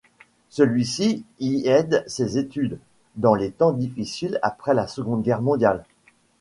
Celui-ci y aide ses études, dans les temps difficiles après la Seconde Guerre mondiale.